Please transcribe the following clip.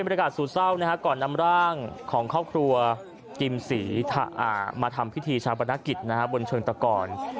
ริกาสู่เศร้าก่อนนำร่างของครอบครัวกิมศรีมาทำพิธีชาปนกิจบนเชิงตะกร